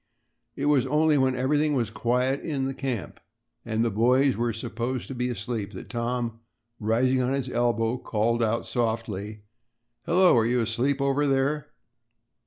It was only when everything was quiet in the camp and the boys were supposed to be asleep, that Tom, rising on his elbow, called out softly: "Hello. Are you asleep over there?"